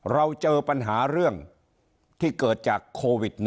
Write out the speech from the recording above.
เราเจอปัญหาเรื่องที่เกิดจากโควิด๑๙